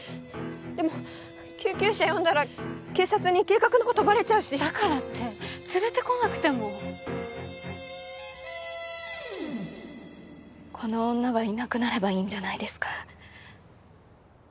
でも救急車呼んだら警察に計画のことバレちゃうしだからって連れてこなくてもこの女がいなくなればいいんじゃないです